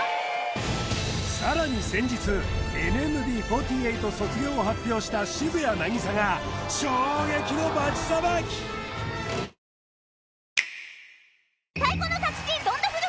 さらに先日ＮＭＢ４８卒業を発表した渋谷凪咲が衝撃のバチさばき・あっ！！